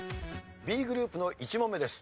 Ｂグループの１問目です。